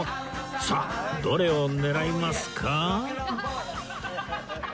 さあどれを狙いますか？